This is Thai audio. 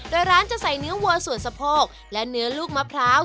โดยร้านจะใส่เนื้อวัวส่วนสะโพกและเนื้อลูกมะพร้าว